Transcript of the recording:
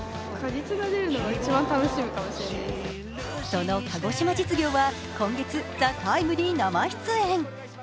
その鹿児島実業は今月「ＴＨＥＴＩＭＥ，」に生出演。